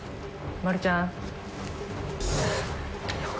まるちゃん。